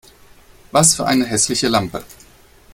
Was für eine hässliche Lampe!